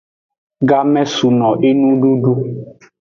Game sun no enududu.